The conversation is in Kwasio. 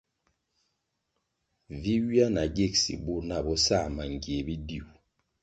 Vi ywia na gigsi bur nah bo sa mangie bidiu.